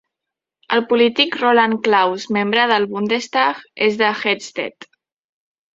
El polític Roland Claus, membre del Bundestag, és de Hettstedt.